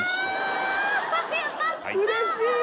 うれしい！